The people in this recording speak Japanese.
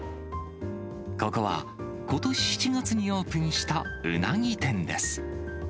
ここはことし７月にオープンしたうなぎ店です。